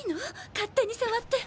勝手に触って。